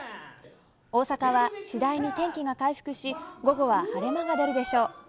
大阪は次第に天気が回復し午後は晴れ間が出るでしょう。